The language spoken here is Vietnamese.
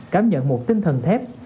cảm nhận một tinh thần thép